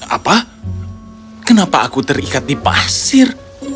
apa kenapa aku terikat di pasir